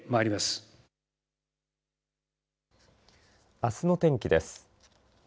あすの天気です。